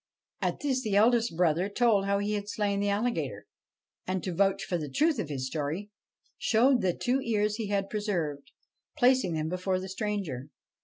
' At this the eldest brother told how he had slain the alligator ; and, to vouch for the truth of his story, showed the two ears he had preserved, placing them before the stranger.